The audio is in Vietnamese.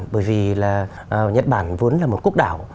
bởi vì nhật bản vốn là một quốc đảo